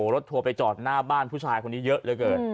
ทัวร์ไปจอดหน้าบ้านผู้ชายคนนี้เยอะเหลือเกิน